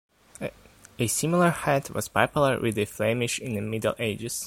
A similar hat was popular with the Flemish in the Middle Ages.